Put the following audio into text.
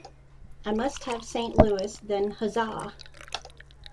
I must have Saint Louis-then Huzza!